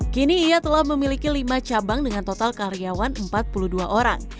kini ia telah memiliki lima cabang dengan total karyawan empat puluh dua orang